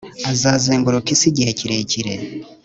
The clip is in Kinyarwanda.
azazenguruka isi igihe kirekire